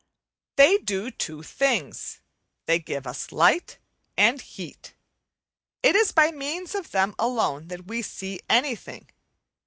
They do two things they give us light and heat. It is by means of them alone that we see anything.